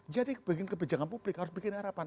jadi bikin kebijakan publik harus bikin harapan